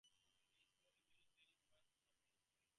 A Sports Injury Clinic operates from the main stand.